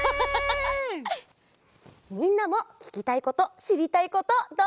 みんなもききたいことしりたいことどんどんおくってね！